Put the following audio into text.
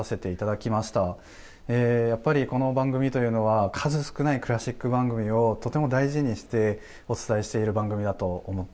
やっぱりこの番組というのは数少ないクラシック番組をとても大事にしてお伝えしている番組だと思っています。